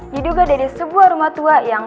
diduga dari sebuah rumah tua yang